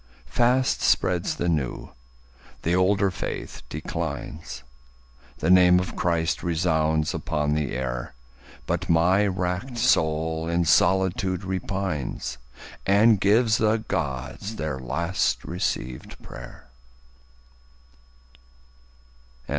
Fast spreads the new; the older faith declines. The name of Christ resounds upon the air. But my wrack'd soul in solitude repines And gives the Gods their last receivèd pray'r.